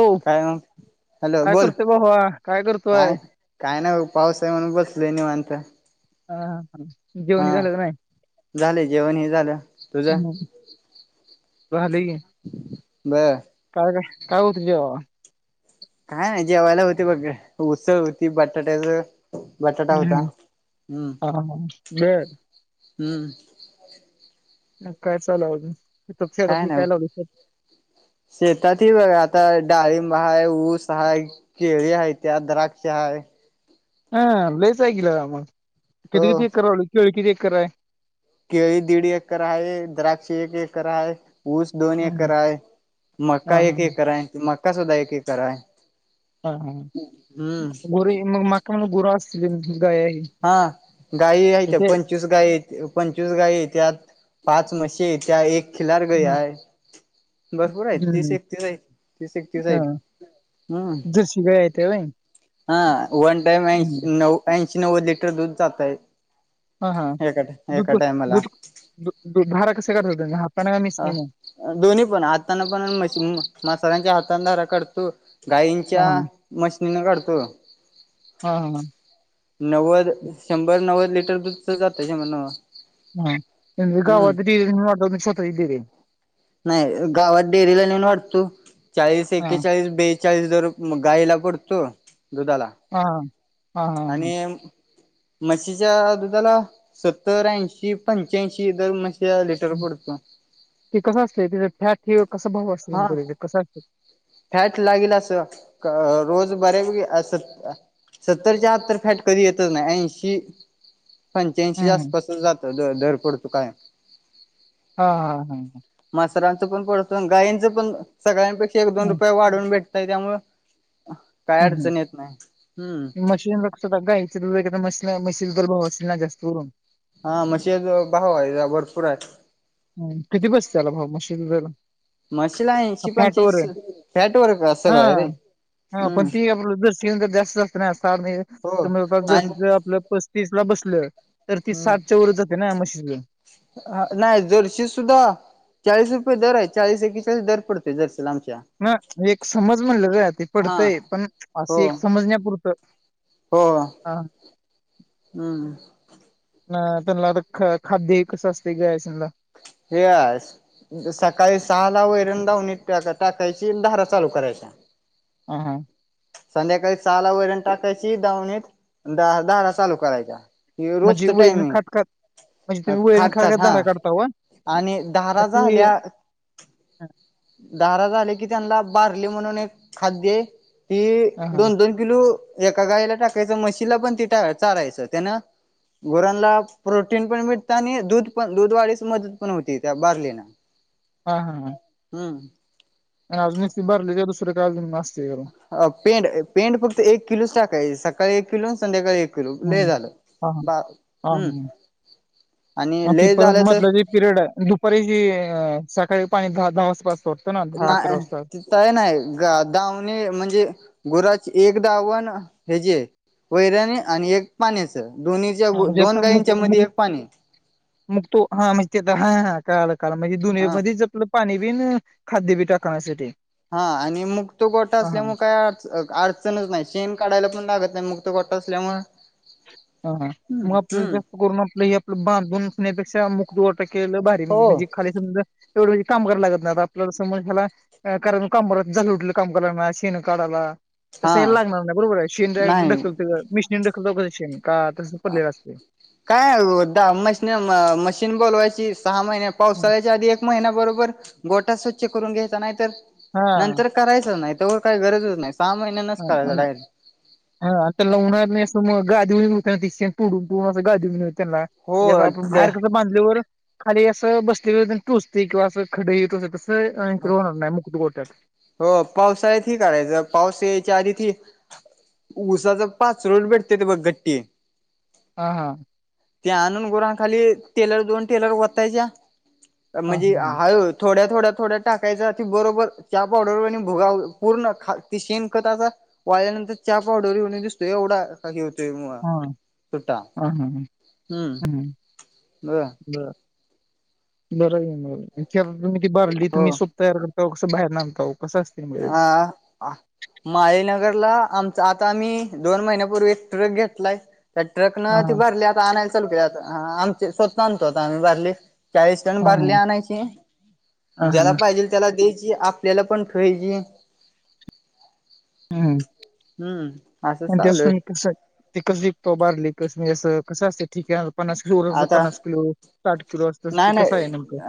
हो काय म, हॅलो काय बोल, करतोय भावा करतोय काय? काय नाही बग, पाऊस हाय म्हणून बसलोय निवांत. हा, हा जेवण झालं काय झाले जेवण हे झालं तुझं नाही? झालय की. बरं. काय काय, काय होतं जेवयाला? काय नाय, जेवायला होती बघ, उसळ होती बटाट्याच बटाटा हम्म, होता, हम्म. हम्म हा हा बर हम्म. काय चालव [unintelligible] शेेताती बघ आता, डाळिंब हाय, ऊस हाय. केळी हायत्या, द्राक्ष आहे. हा लईच आहे की लेका मंग, हो किती किती एकर लावल, केळ किती एकर आहे? केळी दीडी एकर आहे, द्राक्षी एकर आहे, ऊस दोन हम्म. एकर आहे, हा मका हा एक एकर आहे मका सुद्धा एक एकर हाय. हा हा, गुरये मग मका म गुरव असतील गाय. हा, गाय हाईत्या इथे पंचवीस गाय हाईत, पंचवीस गाय त्यात, पाच म्हशी येत्या, एक खिलार गाय हम्म हाय. भरपूर आहेत तीस हम्म. एकतीस हाईत, तीस एकतीस हाईत. जर्सी गायेता होय? हा वन टाइम ऐंशी न ऐंशी नव्वद लिटर दूध जातय. हा हा, एका दूध एका भ, टायमाला दुध, दु धारा कसे करतात हताण का ह मिसनी न? दोन्ही पण हातांन पण माशन म, मसरांच्या हातान धारा काढतो. हा गाईंच्या, हा मशनीन काढतो. हा हा. नव्वद, शंभर नव्वद लिटर दुधच जातय जमन. हा, हेनजे गवात डेरी [unintelligible] स्वतःची डेरी हाय. नाही गावात डेअरी ला नेऊन वाटतो, चाळी हा ऐकेचाळीस बेच चाळीस दर म गाईला पडतो, दुधाला. हा, हा हा ह. मशीच्या दुधाला, सत्तर, ऐंशी, पंच्याऐंशी, दर म ते कसं असत तेज फॅट हे कसं भाव असतय म हा डेरीत कसं असत? फॅट लागेल असं, क रोज बऱ्यापैकी असत. सत्तरच्या आत तर फॅट कधी येतच नाही ऐंशी, हम्म पंच्याऐंशीच्या हम्म. आसपास जा द- दर पडतो कायम. हा हा हा. म्हसराणचं पण पडत गायींचं पण सगळ्यांपेक्षा एक दोन हम्म रुपये वाढवून भेटतय त्यामुळं काय हम्म अडचण येत नाही, हम्म. अस गायच बी वगैरे मशीला मशीला तर भाव असल ना जास्त करून? हा मशीच भाव आहे जर भरपूर आहे. किती बसत त्याला भाव माशीच्या दुधाला? म्हशीला का ऐशी फॅट वर पंच्याऐश, आहे फॅट वर सगळं हाय रे. हा हा पण हम्म. ती आपल जर्सी गाय जास्त असत हो न, [unintelligible] आणि जर्शीच आपल प तीस ला बसलं, तर ती सातच्या वर जाते ना मशीच. ह नाही जरशी सुद्धा चाळीस रुपये दर आहे चाळीस एकेचाळीस दर पडतय जरसीला आमच्या. म, एक समज म्हणले र ते हा पडतंय पण अस हो एक समजण्यापुरतं. हो, हा हम्. ना त्यांला आता ख - खाद्य एकच असतय गया सनला. हे अस, सकाळी सहा ला वैरण धावणीत टाकायची धारा चालू करायच्या. हा हां. संध्याकाळी सहाला वैरण टाकायची दावणीत, धा - धारा चालू करायच्या. यो म्हणजे रोजच वैरण खात खात म्हणजे टायमिंग तुम्ही वैरण खात खातात खात हा, धारा काढता व आणि धारा ती झाल्या धारा झाल्या की त्यांनाला बारली म्हणून एक खाद्यये ते हा हा दोन दोन किलो एका गाईला टाकायच म्हशीला पण ते टा चारायचं त्यान गुरांनला प्रोटीन पण भेटतं आणि दूध पण दूधवाढीस मदत पण होती त्या बारलेन ला. हा हा हा! हं! अजून एक स्लीप भरली की दुसर काय अजून असतय काय? अ पेंड पेंड फक्त एक किलोच टाकायची सकाळी एक किलो संध्याकाळी एक किलो लय हम्म झालं. हा बा हम्म हा! आणि मग ती लय परत झालं तर मधलं जे पिरियड हाय धु परेशी अ सकाळी पाहुणे दहा दहा वाजता असतो. न्हाय ती काय न्हाय गा दावणे म्हणजे गुराची एक दावण हेजी वैरणी आणि एक पाण्याच दोन्ही हा म्हणजे असं मुन मूक मग तु हा म तेझ हा हा कळाल कळाल म्हणजे दोन्ही हा मधीच संपलं पाणी बीन खाद्य बी टाका असं ते हा आणि मग तो गोठा असल्यामुळे काय आज अडचणच न्हाय शेण काढायला पण लागत नाही मग तो गोठा असल्यामुळं हा हा, म आपल्याला जास्त करून आपलं हे आपलं बांधून असण्यापेक्षा मु दो टक्याला केलं भारी हो म्हणजे म्हणजे खाली समजा एवढं कामगार लागत नाय आता आपल्याला समोरच्याला कारण [unintelligible] झालं उठलं [unintelligible] शेण काढायला. हा तसं हेला लागणार नाही बरोबर आहे शेन डायरेक्ट नाही ढकलतय मिशीनीन ढकलत शेण का तसंच पडलेल असतय? काय ओ मशीन मशीन बोलवायची सहा महिने हा पावसाळ्याच्या आधी एक महिना बरोबर गोठा स्वच्छ करून घ्यायचा नाही तर नंतर करायचच नाही तवर काय गरजच नाही सहा महि संपला विषय! हा त्याला [unintelligible] नाही असं मग गादीव [unintelligible] त्यांना हेझा हो आपण ते बाहेर कसं बांधल्यावर खाली असं बसल्यालो तेन टोचतय किंवा असं खड हे कसं स्वाईन फ्लू होणार न्हाय मुक्त गोट्यात. हो पावसाळ्यात ही करायचं पाऊस यायच्या आधी ती उसाच पाचळो भेटत्यात बघ गट्टी. हा हा! ते आणून गुरांखाली टेलर दोन टेलर वतायच्या हा म्हणजे हा हळू थोड्या थोड्या थोड्या टाकायचा ते बरोबर चहा पावडर वाणी भोगाव पूर्ण खा शेण खताचा वाळल्यानंतर चहा पावडरी वाणी दिसतोय एवढा एकाकी होतोय म हां, सुट्टा हां, हां, हां, हम्म! हां. ब बरं. बरं आहे म कॅरबो किट बादली हो तुम्ही सोप तयार करता कसं बाहेर ना आणताव कसं असत आ अ! माळीनगरला आमच आता आम्ही दोन महिन्यापूर्वी एक ट्रक घेतलाय त्या ट्रक न ती हां, भरली आता आणायला चालू केलं आता स्वत आणतो आता आम्ही बादली चाळीस टन हां, बारली आणायचे हां, हां, ज्याला हां, पाहिजे त्याला द्यायची आपल्याला पण पाहिजे. हम्म असं पण तो चालू आहे शेण कस हाय? ती कस विकतो बारली कस म असं कसं असते ती घ्याला? पन्नास किलो [unintelligible] आता पन्नास किलो, साठ किलो असत नाही कसं आहे नाही नेमकं?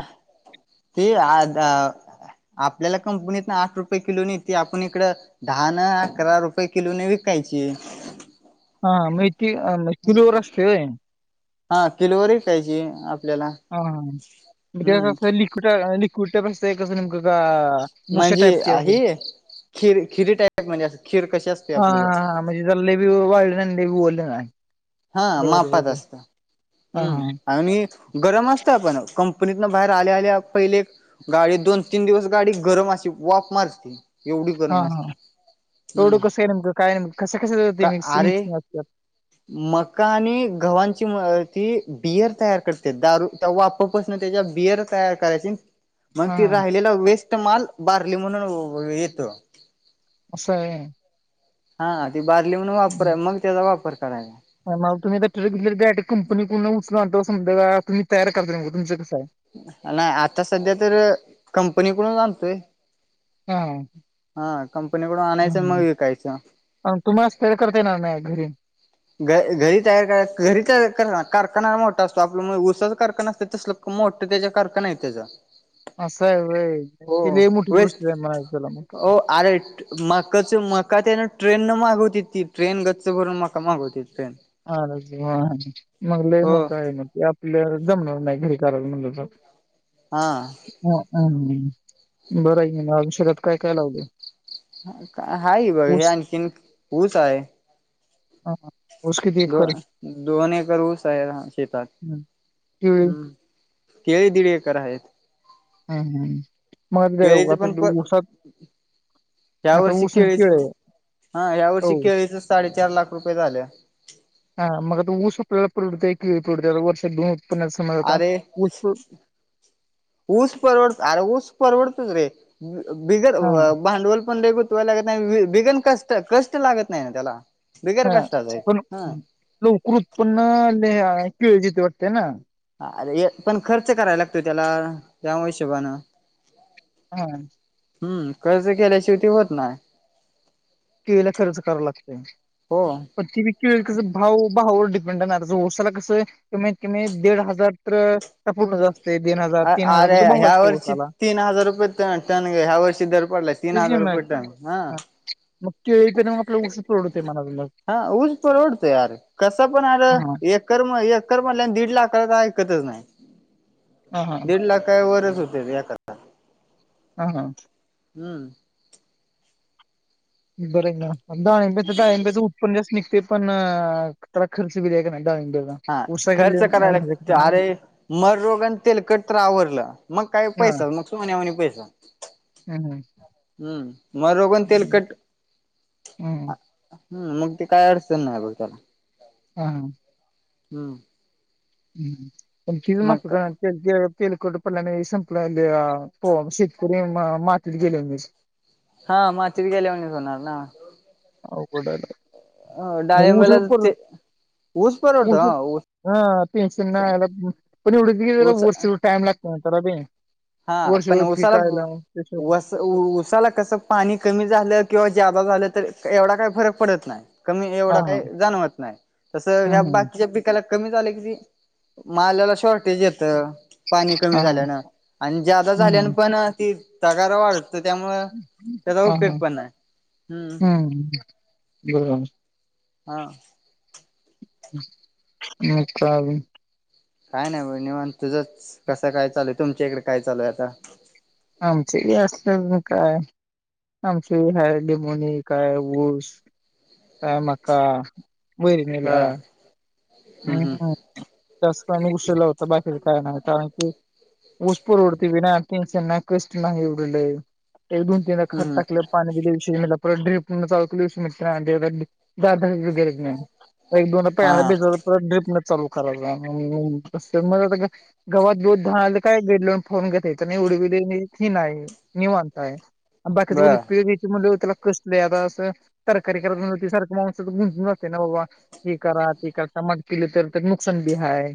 ते आ ध आपल्याला कंपनीतन आठ रुपये ना येतेय, आपण इकडं दहान, अकरा रुपये किलोन, विकायची. हा, मै [unintelligible] किलोवर असतय होय? हा, किलवर विकायची आपल्याला हा हां, म हम्म लिक्विड, लिक्विड प्रस्त कसं नेमकं का? भुश्या म्हणजे टाईपची असते? आहे, खीर खिरी टाईप म्हणजे, अस खीर कशी असते हां, आपली हां, हां, म्हणजे लय बी वाळल नई, आणि लई बी वल्ल नाय हा, मापात असत, हां, हम्म! हां, आणि गरम असतय पण, कंपनीतन बाहेर आल्या आल्या पहिले गाडी, दोन तीन दिवस गाडी गरम अशी वाफ मारती. हा हा, येवढं कसं हाय का नेमकं, कस कसं का अरे मिक्सीसिंग असतात? मका आणि घवांची म ती बियर तयार करत्यात, दारू. वाफ पसण त्याच्या बिअर तयार करायची मग हा ती राहिलेला वेस्ट माल, बारली म्हणून येतो. असं आहे होय? हा, ती बारली म्हणून वापरा, हम्म. मग त्याचा वापर करायाच. मग तुम्ही आता [unintelligible] कंपनीकडून उचलून आणता, समजा का तुम्ही तयार करताय मग तुमच कसं हाय नाही, आता सध्या तर कंपनीकडून आणतोय. हा. हा, कंपनीकडून आणायचं मग विकायचं. तुम्ही [unintelligible] करताय ना [unintelligible] घरी. घ घरी तयार करा, घरी तयार कारखाना मोठा असतो, आपल्या उसाच कारखाना असतो तस मोठं त्याच्या कारखान आहेत तेच. असं आहे व्हय. हो, ती लय मोठी वेस्ट, गोष्ट आहे म्हणायचं त्याला मग वो आर एट मकाच म मका त्यान ट्रेन न मागवती ती, ट्रेन गच्च भरून मका मागवत्यात ट्रेन. अ मग लय हो मोट आहे म, आपल्या जमणार नाही, घरी करायच म्हणल तर हा. हा, हम! बरं आहे म अजून शेतात काय काय लावलय? हाय, बघ हे आणखीन ऊस हाय. हा. ऊस किती दो एकर? दोन एकर ऊस आहे शेतात, हम्म. केळी हम्म! केळी दिड एकर आहे. हम्म हम्, मग केळीच आता पण ते ऊसात ह्या आता वर्षी ऊस आणि केळीच, केळ आहे हा, ह्या हो वर्षी केळीच साडेचार लाख रुपये झाल. हा, मग आता ऊस आपल्याला पुरवडतय की, पुरवडतंय वर्षात दोन उत्पन्नाचा समज आता, अरे ऊस ऊस परवडत, अरे ऊस परवडतोच रे, बिगर हा भांडवल पण लय लागत नाही, बिगन कष्ट, कष्ट लागत नाही ना त्याला, बिगर हा कष्टाच पण हाय. लवकर उत्पन्न केळ जिथे वाटतेय ना? अरे पण खर्च करायला लागतोय त्याला, त्या हिशोबाानं. हा. हम्म! कर्ज केल्याशिवाय ते आत्ता होत नाय. केळीला खर्च कराय लागतय. हो ते बी केळी कस, भाव भावर डिपेंड हाय, तसं उसाला कसं कमत कमी दिड हजार तर, त्या पूर्ण जात अ अरे ह्या वर्षी तीन हजार रुपये टन टन ह्या वर्षी दर पडलाय तीन तेच की हजार मग रुपये टन हा मग केळी पण मग आपल्याला ऊस परवडतोय म्हणायचं मग हा ऊस परवडत आर कसं पण अर हा एक कर्म एकर म्हणल्यावर दीड लाख करात ऐकतच नाही हा दीड लाखावरच होते एका हा हा हम्म बरं ना डाळिंब्याच डळिंब्याचं उत्पन्न जास्त निघते पण तेला खर्च बी लई हाय कनी डाळिंब्याला हा [inaudible] ऊस खर्च करायला [inaudible] अरे मर रोग आणि तेलकट तर आवरलं मग काय पैसा मग सोन्यावाणी पैसा हम्म हम्म मग रोगन हम्म तेलकट हम्म, हम् मग ते काय अडचण नाही बघ त्याला हा ह हम्म हम्म मग [inaudible] [inaudible] तेलकटपणा नाही संपला शेतकरी मा मातीत गेले मी हा मातीत गेल्यावाणीच होणार ना अवघड हाय बा अ डाळिंबाला ते ऊस हह पेन्शन नाय आलं पण एवढं ऊस वर्ष टाइम लागत करा ते हा वर्ष पण भर उसाला पिकायला वस उसाला कसं पाणी कमी झालं किंवा जादा झालं तर एवढा काही फरक पडत नाय कमी हा एवढं हा काय जाणवत नाय तस ह्या हम्म हम्म बाकीच्या बी त्याला कमी झालं कि माल्याला शॉर्टेज येतं पाणी कमी हा हा झाल्यानं आणि जादा हम्म झाल्यान हम्म. पण ती तगारा वाढ तर त्यामुळं त्याचा हा उपयोग हा पण नाय हम्म [inaudible] हा मग काय आजुन काय नाही बग निवांत तुझंच कसं काय चालूय तुमच्या इकडं काय चालूय आता आमच्याकड असल काय आमची हय लिमूनी काय ऊस काय मका [inaudible] बर हा हम्म त्यास का उशीला लावतो बाकीच काय नाही कारण की ऊस परवडतय विना टेन्शन नाही कष्ट नाही एवढ लय एक दोन-तीनदा हम्म खत हम्म टाकलं पाणी [unintelligible] एक दोनदा हा पॅनल हा भिजवल परत ड्र्रीपन चालू करायला लागणार कस मग गवत [inaudible] काय गेडलं फोन घेतय नाही उडविली नाही ही रेंज नाही निवांत आहे बाकीच पळी बर दयायचं म्हणल त्याला कष्ट आता असं तरकारी करतती सारख माणस गुंंतून जाते ना बाबा हे करा ते करा चमाग पलं तर तर नुकसान बी हाय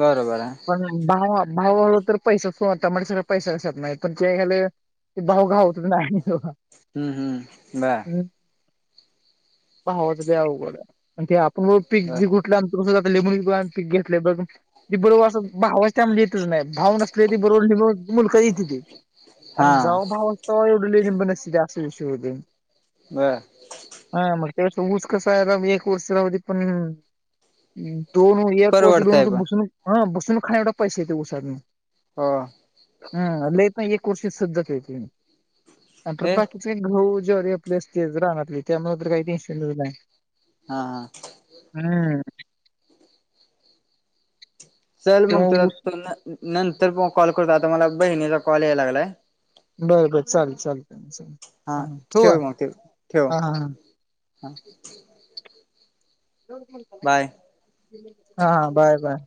बरोबर आहे पण भाव भाव तर पैसा फता म्ह सग पैसा कसत नाही पण ते खाले ते भाऊ घावतच नाही हो हम्म हम्म बर भावाच लय अवघड आहे ते आपण बी पिक बर जे जातले म्हून पीक घेतले बघ बरोबर असं भावाच टायमाला येतच नाही. भाव नसले ते बरोबर मुलकाच येतती हा आणि जवा भाव असतो तवा एवढ [unintelligible] असा विषय होतोय बरं हा मग ते ऊस कसाय एक वर्षा मध्ये दोन एक दोन परवडतय वर्ष पण बसून हा बसून खाण्या एवढा पैसा येतो उसातून हा हम्अल् एक वर्ष शद्धकती ए बाकी [unintelligible] ते गहू ज्वारी आपली असती रानातली त्यामुळे तर काही टेन्शनच नाही. हा हा हम्म चल मग त्यामुळं तुला तो न नंतर मग कॉल करतो आता मला बहिणीचा कॉल यायला लागलाय. बरं बरं चालतंय चालतंय चा हा ठेवू ठेव मग ठेव ठेव का हा हा हो ख [unintelligible] बाय हा हा बाय बाय